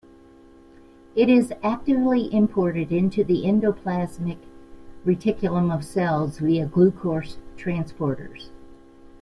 It is actively imported into the endoplasmic reticulum of cells via glucose transporters.